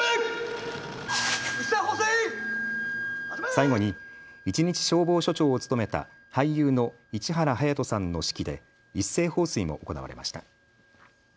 最後に一日消防署長を務めた俳優の市原隼人さんの指揮で一斉放水も行われました。